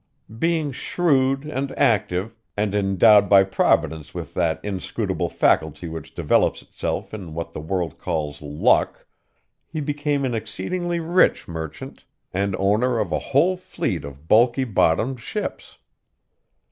Being shrewd and active, and endowed by Providence with that inscrutable faculty which develops itself in what the world calls luck, he became an exceedingly rich merchant, and owner of a whole fleet of bulky bottomed ships.